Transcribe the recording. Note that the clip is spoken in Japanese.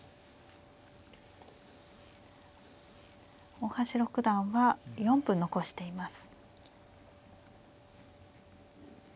大橋六段は４分残しています。